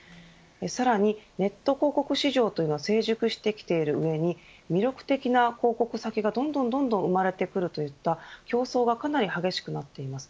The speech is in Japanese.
さらにネット広告市場というのは成熟してきている上に魅力的な広告先がどんどんどんどん生まれてくるといった競争がかなり激しくなっています。